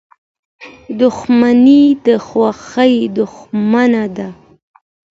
• دښمني د خوښۍ دښمنه ده.